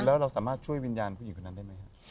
แล้วเราสามารถช่วยวิญญาณผู้หญิงคนนั้นได้ไหมครับ